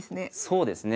そうですね。